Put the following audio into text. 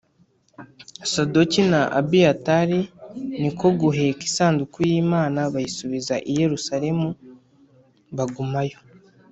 Sadoki na Abiyatari ni ko guheka isanduku y’Imana bayisubiza i Yerusalemu, bagumayo.